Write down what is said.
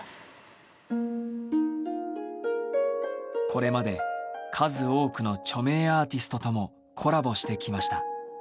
これまで数多くの著名アーティストともコラボしてきました。